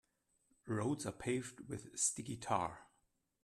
Roads are paved with sticky tar.